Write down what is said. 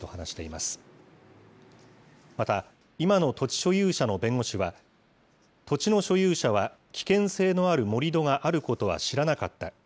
また、今の土地所有者の弁護士は、土地の所有者は、危険性のある盛り土があることは知らなかった。